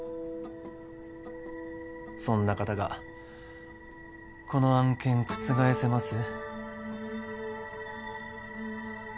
そんな方がこの案件覆せます？